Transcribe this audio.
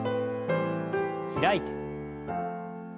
開いて。